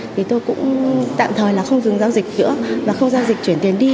thì tôi cũng tạm thời là không dừng giao dịch giữa và không giao dịch chuyển tiền đi